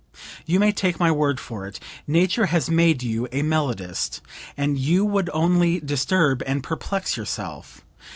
You may take my word for it, Nature has made you a melodist, and you would only disturb and perplex yourself.